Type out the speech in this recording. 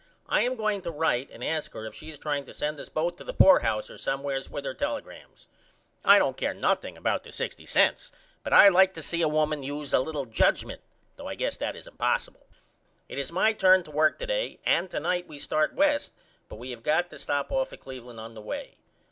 I am going to write and ask her if she is trying to send us both to the Poor House or somewheres with her telegrams. I don't care nothing about the $.60 but I like to see a woman use a little judgement though I guess that is impossable. It is my turn to work to day and to night we start West but we have got to stop off at Cleveland on the way.